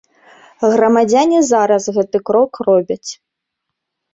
Грамадзяне зараз гэты крок робяць.